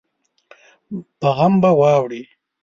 په غم به واوړې